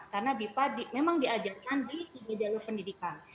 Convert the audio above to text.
karena bipa memang diajarkan di tiga jalur pendidikan